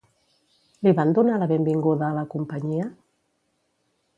Li van donar la benvinguda a la companyia?